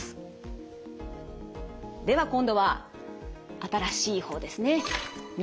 では今度は新しい方ですね。